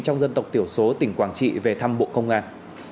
trong dân tộc tiểu số tỉnh quảng trị về thăm bộ công an